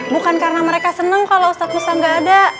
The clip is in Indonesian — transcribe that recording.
bukan karena mereka seneng kalau ustadz musa gak ada